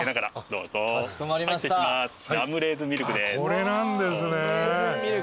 これなんですね。